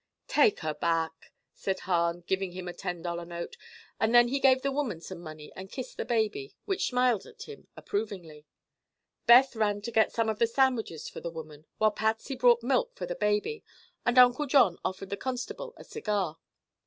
"Take her back," said Hahn, giving him a ten dollar note; and then he gave the woman some money and kissed the baby, which smiled at him approvingly. Beth ran to get some of the sandwiches for the woman, while Patsy brought milk for the baby and Uncle John offered the constable a cigar.